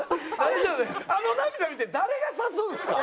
あの涙見て誰が指すんですか？